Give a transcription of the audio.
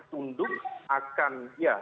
tunduk akan ya